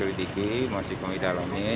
ini masih kami dalami